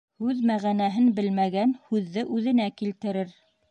Һүҙ мәғәнәһен белмәгән һүҙҙе үҙенә килтерер.